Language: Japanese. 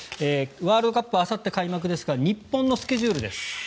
ワールドカップあさって開幕ですが日本のスケジュールです。